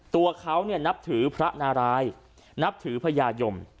ตัวเขานับถือพระนารายนับถือพญายม